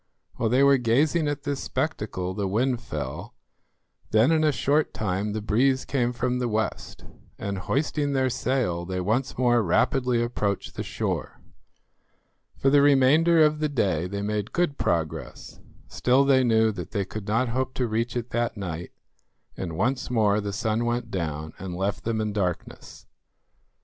While they were gazing at this spectacle the wind fell; then in a short time the breeze came from the west, and hoisting their sail they once more rapidly approached the shore. For the remainder of the day they made good progress; still they knew that they could not hope to reach it that night, and once more the sun went down and left them in darkness.